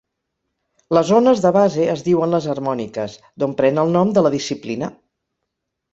Les ones de base es diuen les harmòniques, d'on pren el nom de la disciplina.